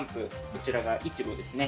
こちらがイチボですね。